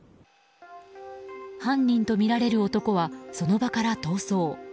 犯人とみられる男はその場から逃走。